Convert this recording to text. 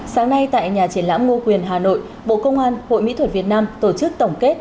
sáng nay tại nhà triển lãm ngô quyền hà nội bộ công an hội mỹ thuật việt nam tổ chức tổng kết